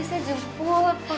eh silahkan silahkan